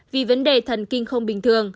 vì vấn đề thần kinh không bình thường